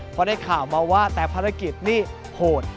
พอได้ข่าวมาว่าแต่ภารกิจนี่โหด